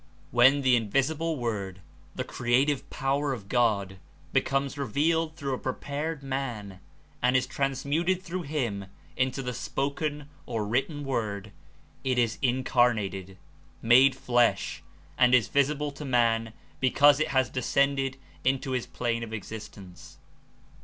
When the Invisible Word, the creative power of God, becomes revealed through a prepared Man and is transmuted through him into the ^^°[.... Incarnate spoken or written Word, it is incarnated, "made flesh," and is visible to man because it has de scended into his plane of existence.